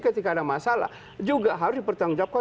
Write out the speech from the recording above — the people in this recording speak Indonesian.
ketika ada masalah juga harus dipertanggungjawabkan